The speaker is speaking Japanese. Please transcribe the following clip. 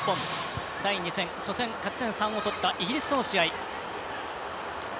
第２戦は初戦勝ち点３を取ったイギリスの試合。